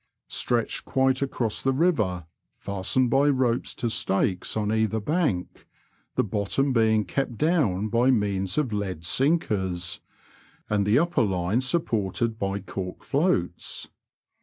stretched quite aoroBS the river, feuitened by ropes to stakes on either, bank, the bottom being kept down by means of lead sinkers, and the npper line supported by cork floats.